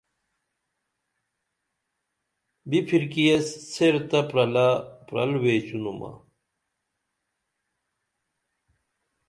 بِپھرکی ایس سیر تہ پرلہ پرل ویچینُمہ